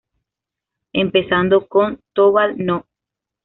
Empezando con "Tobal No.